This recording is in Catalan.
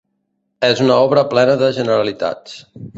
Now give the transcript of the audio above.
És una obra plena de generalitats.